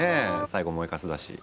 最後燃えかすだし。